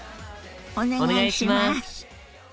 お願いします。